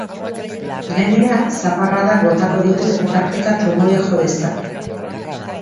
Gainera, zaparradak botako ditu eta tarteka trumoiak jo dezake.